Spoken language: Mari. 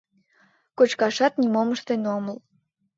— Кочкашат нимом ыштен омыл.